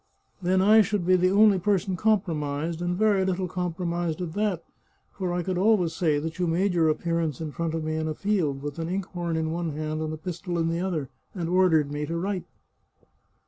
Then I should be the only person compromised, and very little compromised at that, for I could always say that you made your appearance in front of me in a field, with an ink horn in one hand and a pistol in the other, and ordered me to write."